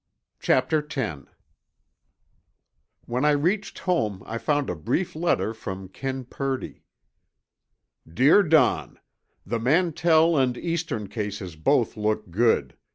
CHAPTER X When I reached home, I found a brief letter from Ken Purdy. Dear Don: The Mantell and Eastern cases both look good.